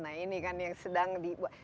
nah ini kan yang sedang di